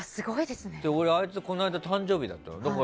あいつこの間、誕生日だったの。